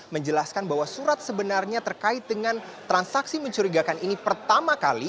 menjelaskan bahwa surat sebenarnya terkait dengan transaksi mencurigakan ini pertama kali